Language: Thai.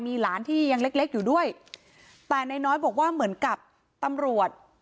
มีหลานที่ยังเล็กเล็กอยู่ด้วยแต่นายน้อยบอกว่าเหมือนกับตำรวจ